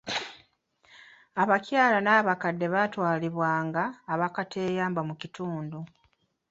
Abakyala n'abakadde batwalibwa nga bakateeyamba mu kitundu.